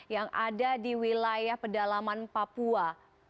yang ada di wilayah pedalaman papua